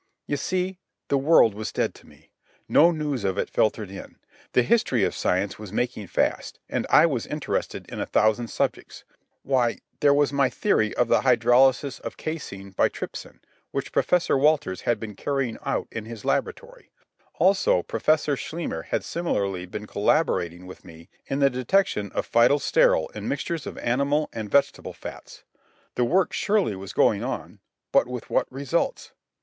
You see, the world was dead to me. No news of it filtered in. The history of science was making fast, and I was interested in a thousand subjects. Why, there was my theory of the hydrolysis of casein by trypsin, which Professor Walters had been carrying out in his laboratory. Also, Professor Schleimer had similarly been collaborating with me in the detection of phytosterol in mixtures of animal and vegetable fats. The work surely was going on, but with what results?